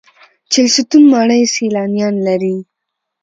چهلستون ماڼۍ سیلانیان لري